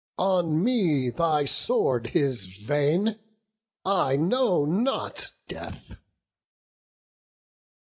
On me thy sword is vain! I know not death!"